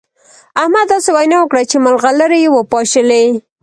احمد داسې وينا وکړه چې مرغلرې يې وپاشلې.